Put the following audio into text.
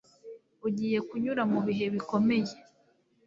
ugiye kunyura mubihe bikomeye